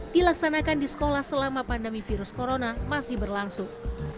dilaksanakan di sekolah selama pandemi virus corona masih berlangsung